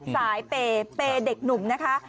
สายเปย์เด็กหนุ่มนะคะ